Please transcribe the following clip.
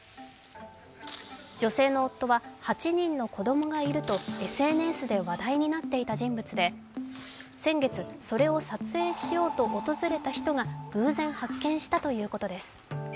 女性の夫は８人の子供がいるとＳＮＳで話題になっていた人物で先月、それを撮影しようと訪れた人が偶然発見したということです。